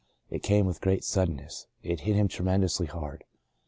It came with great suddenness — it hit him tremendously hard.